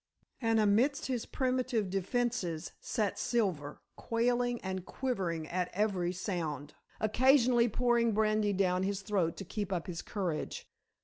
And amidst his primitive defences sat Silver quailing and quivering at every sound, occasionally pouring brandy down his throat to keep up his courage.